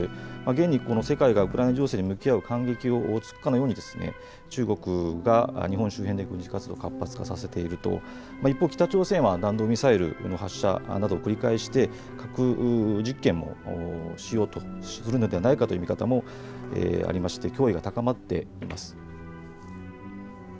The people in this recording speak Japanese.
現に世界がウクライナ情勢に向き合う間隙を突くかのように中国が日本周辺で軍事活動を活発化させていると、一方、北朝鮮は弾道ミサイルの発射などを繰り返して核実験もしようとするのではないかという見方もあって脅威が高まっています。